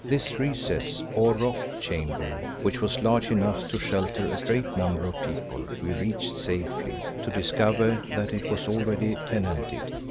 This recess, or rock chamber, which was large enough to shelter a great number of people, we reached safely, to discover that it was already tenanted.